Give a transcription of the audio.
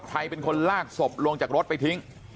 ใครเป็นคนลากศพลงจากรถไปทิ้ง